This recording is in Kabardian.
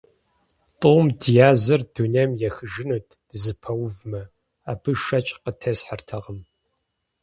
ТӀум дязыр дунейм ехыжынут дызэпэувмэ – абы шэч къытесхьэртэкъым.